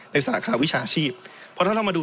สาขาวิชาชีพเพราะถ้าเรามาดู